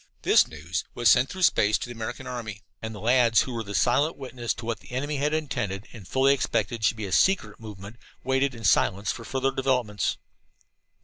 This news was sent through space to the American army; and the lads who were the silent witnesses to what the enemy had intended and fully expected should be a secret movement, waited in silence for further developments.